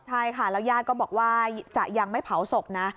ใช่ค่ะแล้วญาติก็บอกว่าจะยังไม่เผาศพนะ